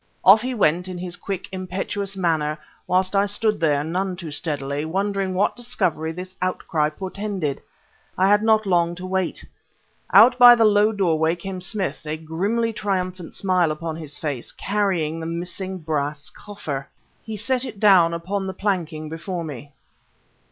Off he went, in his quick, impetuous manner, whilst I stood there, none too steadily, wondering what discovery this outcry portended. I had not long to wait. Out by the low doorway come Smith, a grimly triumphant smile upon his face, carrying the missing brass coffer! He set it down upon the planking before me.